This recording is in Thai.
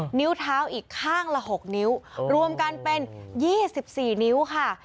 เออนิ้วเท้าอีกข้างละหกนิ้วโอ้รวมกันเป็นยี่สิบสี่นิ้วค่ะ